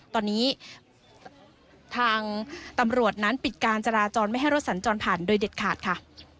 ตอนนี้ทางตำรวจนั้นปิดการจราจรไม่ให้รถสัญจรผ่านโดยเด็ดขาดค่ะ